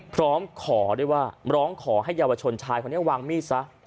พร้อมขอด้วยว่าร้องขอให้เยาวชนชายคนนี้วางมีดซะ